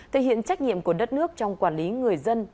thể hiện trách nhiệm của đất nước trong quản lý người dân